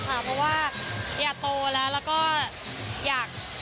เพราะว่าอยากโตแล้วก็อยาก